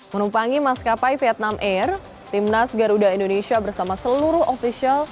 menumpangi maskapai vietnam air timnas garuda indonesia bersama seluruh ofisial